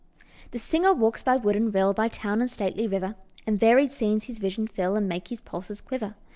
THE singer walks by wood and rill, By town and stately river, And varied scenes his vision fill, And make his pulses quiver.